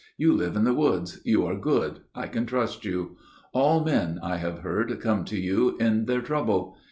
You live in the woods. You are good. I can trust you. All men, I have heard, come to you in their trouble.